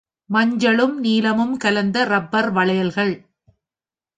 மஞ்சளும் நீலமும் கலந்த ரப்பர் வளையல்கள்.